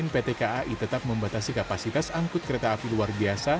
pt kai tetap membatasi kapasitas angkut kereta api luar biasa